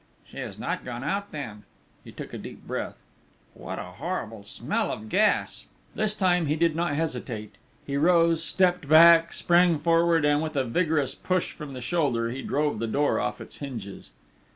"She has not gone out then?" He took a deep breath. "What a horrible smell of gas!" This time he did not hesitate. He rose, stepped back, sprang forward, and with a vigorous push from the shoulder, he drove the door off its hinges.